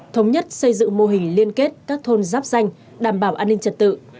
thống nhất xây dựng mô hình liên kết các thôn giáp danh đảm bảo an ninh trật tự